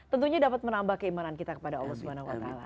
tentunya dapat menambah keimanan kita kepada allah swt